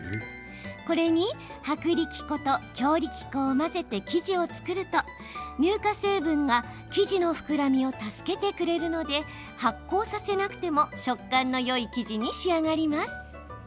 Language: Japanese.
これに薄力粉と強力粉を混ぜて生地を作ると、乳化成分が生地の膨らみを助けてくれるので発酵させなくても食感のよい生地に仕上がります。